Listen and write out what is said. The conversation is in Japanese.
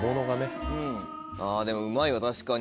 でもうまいわ確かに。